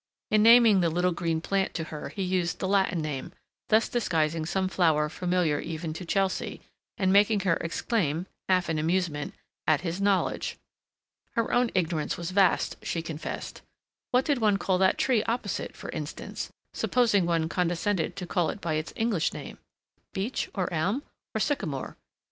In naming the little green plant to her he used the Latin name, thus disguising some flower familiar even to Chelsea, and making her exclaim, half in amusement, at his knowledge. Her own ignorance was vast, she confessed. What did one call that tree opposite, for instance, supposing one condescended to call it by its English name? Beech or elm or sycamore?